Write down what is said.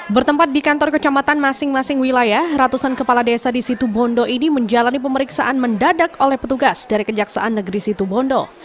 bertempat di kantor kecamatan masing masing wilayah ratusan kepala desa di situ bondo ini menjalani pemeriksaan mendadak oleh petugas dari kejaksaan negeri situbondo